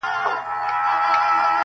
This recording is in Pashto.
• زه د شرابيانو قلندر تر ملا تړلى يم.